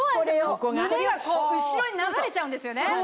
胸が後ろに流れちゃうんですよね。